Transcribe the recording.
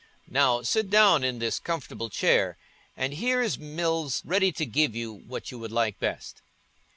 "Now, sit down in this comfortable chair, and here is Mills ready to give you what you would like best."